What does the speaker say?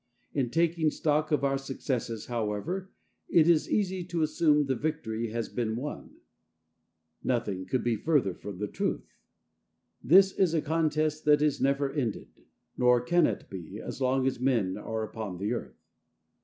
In taking stock of our successes, however, it is easy to assume the victory has been won. Nothing could be further from the truth. This is a contest that is never ended, nor can it be, as long as men are upon the Earth.